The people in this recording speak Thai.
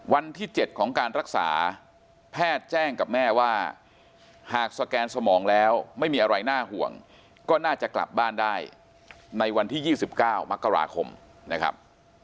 วันที่๗ของการรักษาแพทย์แจ้งกับแม่ว่าหากสแกนสมองแล้วไม่มีอะไรน่าห่วงก็น่าจะกลับบ้านได้ในวันที่๒๙มกราคมนะครับ